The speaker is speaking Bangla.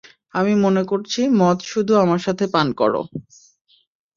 আমি মনে করছি মদ শুধু আমার সাথে পান করো!